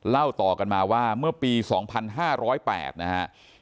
เล่าต่อกันมาว่าเมื่อปี๒๕๐๘นะครับ